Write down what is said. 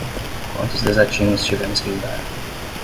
Quantos desatinos tivemos que lidar